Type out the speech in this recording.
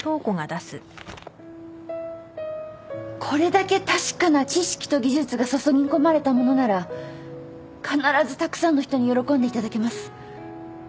これだけ確かな知識と技術が注ぎ込まれたものなら必ずたくさんの人に喜んでいただけます。